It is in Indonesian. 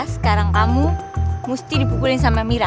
sekarang kamu mesti dipukulin sama mira